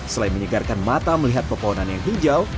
selain menyegarkan mata melihat pepohonan yang hijau